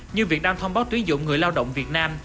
như việt nam thông báo tuyến dụng người lao động việt nam